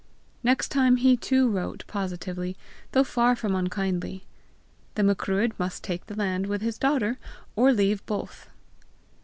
Next time he too wrote positively, though far from unkindly: the Macruadh must take the land with his daughter, or leave both!